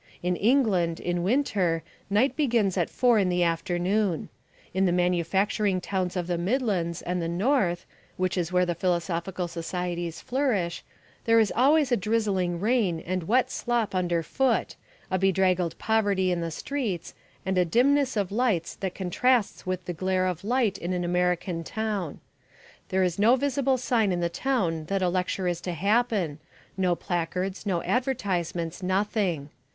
In England, in winter, night begins at four in the afternoon. In the manufacturing towns of the Midlands and the north (which is where the philosophical societies flourish) there is always a drizzling rain and wet slop underfoot, a bedraggled poverty in the streets, and a dimness of lights that contrasts with the glare of light in an American town. There is no visible sign in the town that a lecture is to happen, no placards, no advertisements, nothing.